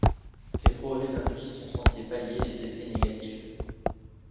Les progrès induits sont censés pallier les effets négatifs.